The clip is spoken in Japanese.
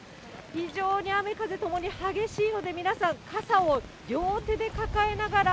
非常に雨、風ともに激しいので、皆さん、傘を両手で抱えながら、